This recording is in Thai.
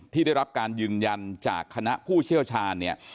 ที่ได้รับการยืนยันจากคณะผู้เชี่ยวชาญเนี่ย